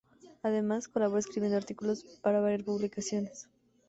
Además, colabora escribiendo artículos para varias publicaciones.